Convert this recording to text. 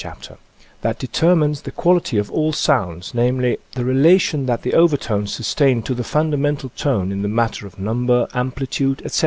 105 chapter, that determines the quality of all sounds, namely, the relation that the over tones sustain to the fundamental tone in the matter of number, amplitude, etc.